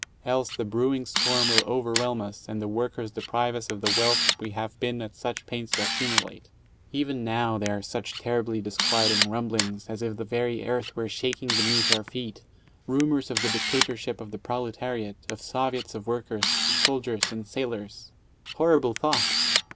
Else the brewing storm will overwhelm us, and the workers deprive us of the wealth we have been at such pains to accumulate. Even now there are such terribly disquieting rumblings, as if the very earth were shaking beneath our feet — rumors of "the dictatorship of the proletariat," of "Soviets of workers, soldiers and sailors." Horrible thought!